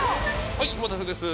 はいお待たせです。